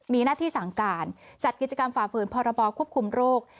มีหน้าที่สั่งการจัดกิจกรรมฝ่าฝืนพรบควบคุมโรค